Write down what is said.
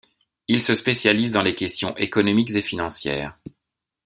Il se spécialise dans les questions économiques et financières.